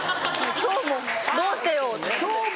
「今日もどうしてよう」って。